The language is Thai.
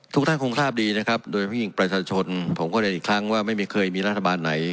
ทุกท่านคงทราบดีนะครับโดยไม่ยิ่งประชาชนผมก็เรียนอีกครั้งว่าไม่มีเคยมีรัฐบาลไหน